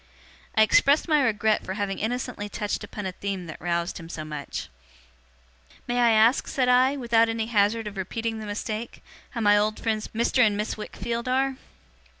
I expressed my regret for having innocently touched upon a theme that roused him so much. 'May I ask,' said I, 'without any hazard of repeating the mistake, how my old friends Mr. and Miss Wickfield are?